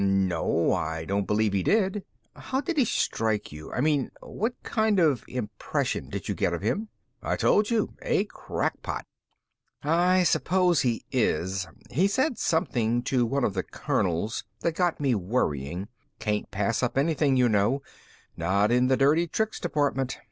"No, I don't believe he did." "How did he strike you? I mean what kind of impression did you get of him?" "I told you. A crackpot." "I suppose he is. He said something to one of the colonels that got me worrying. Can't pass up anything, you know not in the Dirty Tricks Department.